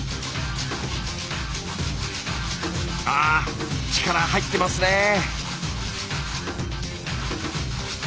あぁ力入ってますね。